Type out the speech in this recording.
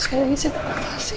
sekali lagi saya terima kasih